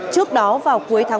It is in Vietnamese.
trước đó vào cuối tháng một mươi năm